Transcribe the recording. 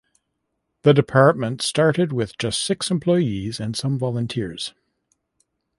The department started with just six employees and some volunteers.